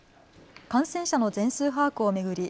感染者の全数把握を巡り